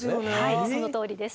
はいそのとおりです。